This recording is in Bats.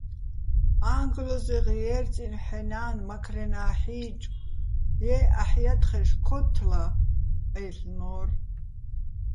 "აჼგლოზეღ ჲერწინო ჰ̦ეჼ ნა́ნ მაქრენა́ ჰ̦ი́ჭო̆, ჲე, აჰ̦ ჲათხეშ ქოთთლა," - აჲლ'ნო́რ.